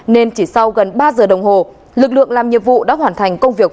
nên chỉ sau gần ba giờ đồng hồ lực lượng làm nhiệm vụ đã hoàn thành công việc